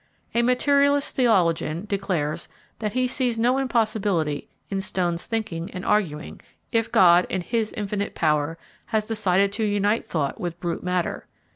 A materialist theologian declares that he sees no impossibility in stones thinking and arguing, if God, in His infinite power, has decided to unite thought with brute matter.